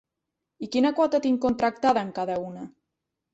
I quina quota tinc contractada en cada una?